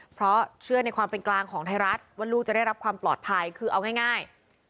เพราะเชื่อในความเป็นกลางของไทยรัฐว่าลูกจะได้รับความปลอดภัยคือเอาง่าย